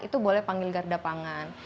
itu boleh panggil garda pangan